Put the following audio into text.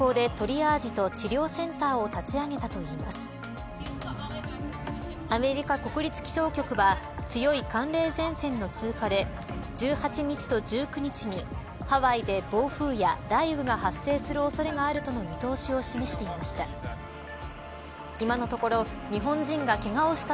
アメリカ国立気象局は強い寒冷前線の通過で１８日と１９日にハワイで暴風や雷雨が発生する恐れがあるとの見通しを示していました。